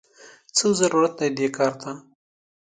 څه ضرورت دې کار ته!!